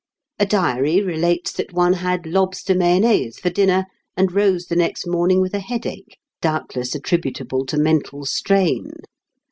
A diary relates that one had lobster mayonnaise for dinner and rose the next morning with a headache, doubtless attributable to mental strain.